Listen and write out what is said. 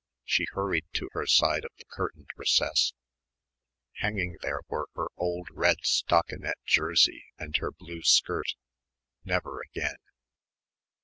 She hurried to her side of the curtained recess. Hanging there were her old red stockinette jersey and her blue skirt ... never again